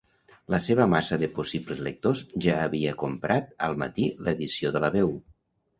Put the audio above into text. La seva massa de possibles lectors ja havia comprat al matí l'edició de La Veu.